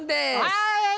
はい！